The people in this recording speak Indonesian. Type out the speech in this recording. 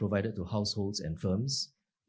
yang diberikan kepada rumah dan perusahaan